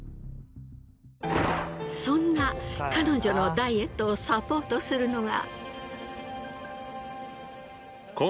そんな彼女のダイエットをサポートするのが。